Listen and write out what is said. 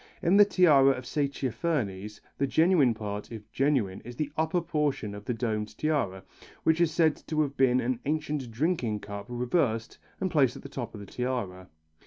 In the tiara of Saitaphernes the genuine part, if genuine, is the upper portion of the domed tiara, which is said to have been an ancient drinking cup reversed and placed at the top of the tiara.